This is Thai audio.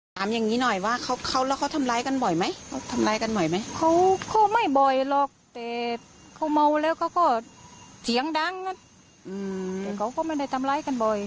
แต่เขาก็ไม่ได้ทำร้ายกันบ่อย